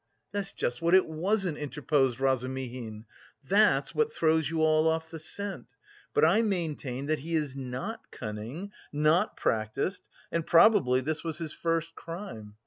"That's just what it wasn't!" interposed Razumihin. "That's what throws you all off the scent. But I maintain that he is not cunning, not practised, and probably this was his first crime!